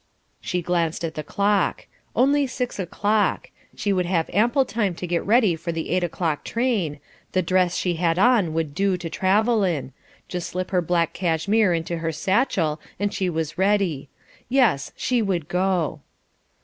She glanced at the clock; only six o'clock; she would have ample time to get ready for the eight o'clock train, the dress she had on would do to travel in just slip her black cashmere into her satchel, and she was ready. Yes, she would go.